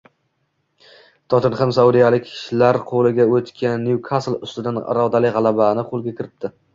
“Tottenhem” saudiyaliklar qo‘liga o‘tgan “Nyukasl” ustidan irodali g‘alabani qo‘lga kiritdi